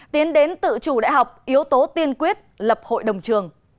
tiến đến tự chủ đại học yếu tố tiên quyết lập hội đồng trường